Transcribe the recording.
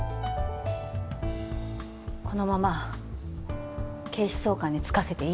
このまま警視総監に就かせていいの？